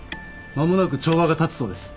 間もなく帳場が立つそうです。